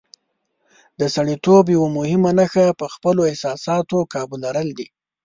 د سړیتوب یوه مهمه نښه په خپلو احساساتو قابو لرل دي.